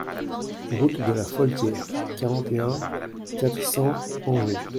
Route de la Foltiere, quarante et un, quatre cents Angé